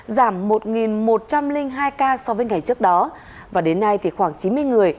giảm một một trăm linh hai ca so với ngày trước đó và đến nay thì khoảng chín mươi người